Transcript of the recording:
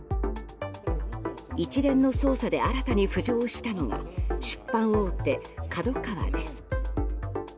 一連の捜査で新たに浮上したのが出版大手ＫＡＤＯＫＡＷＡです。